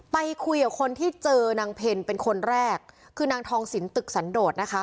ไปคุยกับคนที่เจอนางเพลเป็นคนแรกคือนางทองสินตึกสันโดดนะคะ